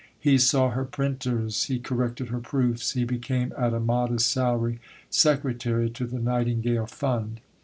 He saw her printers, he corrected her proofs. He became, at a modest salary, secretary to the Nightingale Fund.